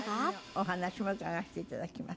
お話も伺わせて頂きます。